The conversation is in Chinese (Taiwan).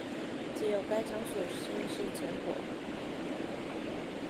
藉由該場所宣示成果